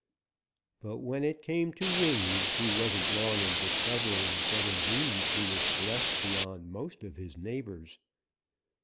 But when it came to wings, he wasn't long in discovering that in these he was blessed beyond most of his neighbors.